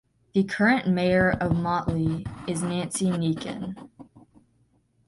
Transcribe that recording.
The current Mayor of Motley is Nancy Nieken.